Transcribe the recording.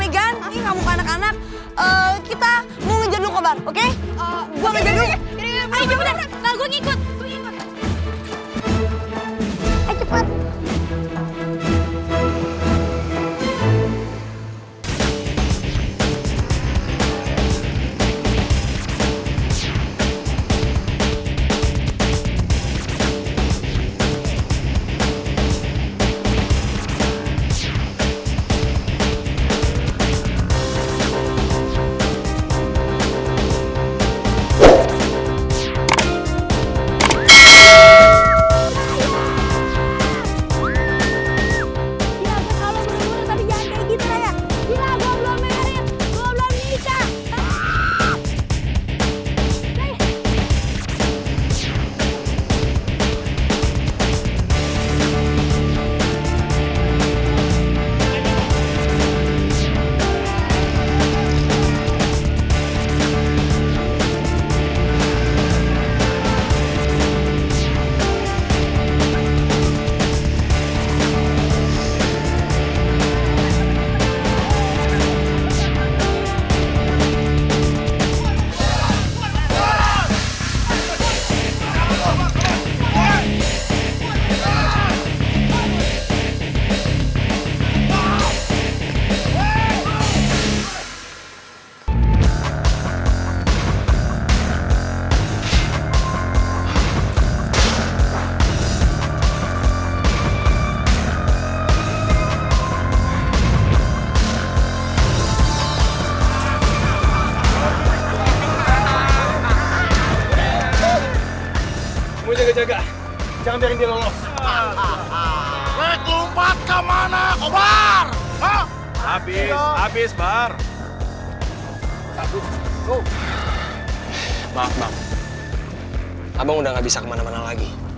gak tau obar sama ni mana